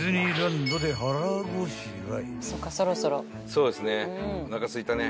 そうですね。